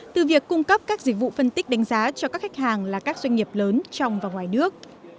từ việc cung cấp các dịch vụ phân tích đánh giá cho các khách hàng là các doanh nghiệp lớn trong và ngoài nước